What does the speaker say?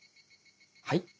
はい？